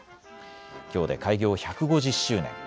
きょうで開業１５０周年。